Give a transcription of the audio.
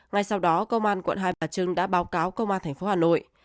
ngay sau đó công an quận hai bà trưng đã báo cáo công an tp hà nội